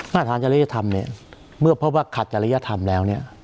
มาตรฐานจริยธรรมเมื่อเพราะว่าขัดจริยธรรมแล้ว